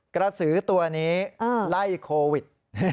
กระสือตัวนี้ไล่โควิด